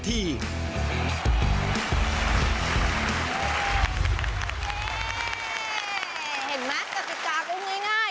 กติกาก็ง่าย